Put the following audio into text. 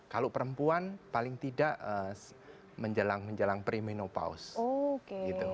kalau perempuan paling tidak menjelang premenopause